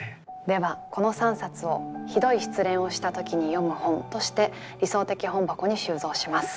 ではこの３冊を「ひどい失恋をした時に読む本」として理想的本箱に収蔵します。